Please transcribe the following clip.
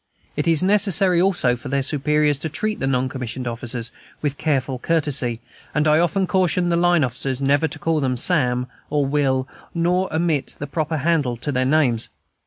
It is necessary also for their superiors to treat the non commissioned officers with careful courtesy, and I often caution the line officers never to call them "Sam" or "Will," nor omit the proper handle to their names.